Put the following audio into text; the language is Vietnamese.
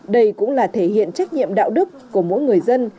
đây cũng là thể hiện trách nhiệm đạo đức của mỗi người dân